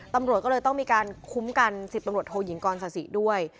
ตำรวจก็เลยต้องมีการคุ้มกัน๑๐ตำรวจโทยิงกรศาสิด้วย